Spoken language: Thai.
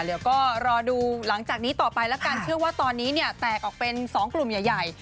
เดี๋ยวก็รอดูหลังจากนี้ต่อไปแล้วกันเชื่อว่าตอนนี้เนี่ยแตกออกเป็น๒กลุ่มใหญ่